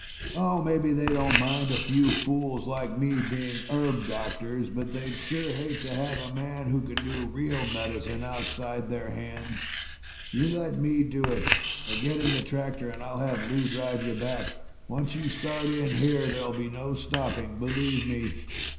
Oh, maybe they don't mind a few fools like me being herb doctors, but they'd sure hate to have a man who can do real medicine outside their hands. You let me do it, or get in the tractor and I'll have Lou drive you back. Once you start in here, there'll be no stopping. Believe me."